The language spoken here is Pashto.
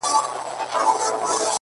دغه نجلۍ نن و هيندارې ته موسکا ورکوي-